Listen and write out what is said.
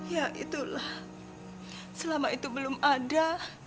ya itulah selama itu belum ada